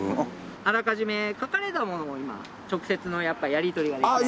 あらかじめ書かれたものを今直接のやっぱりやり取りができない。